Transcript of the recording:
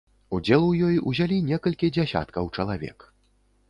Удзел у ёй узялі некалькі дзясяткаў чалавек.